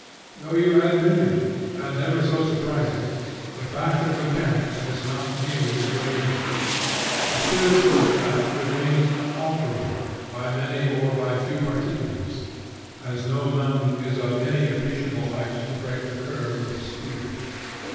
Though you add millions, and never so surprising, the fact of mechanics has not gained a grain's weight. The spiritual fact remains unalterable, by many or by few particulars; as no mountain is of any appreciable height to break the curve of the sphere.